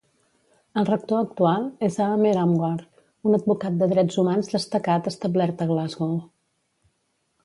El rector actual és Aamer Anwar, un advocat de drets humans destacat establert a Glasgow.